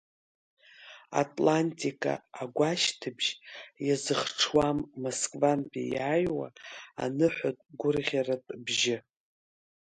Атлантика агәашьҭыбжь иазыхҽуам Москвантәи иааҩуа аныҳәатә гәырӷьаратә бжьы.